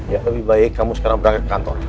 ya lebih baik kamu sekarang berangkat ke kantor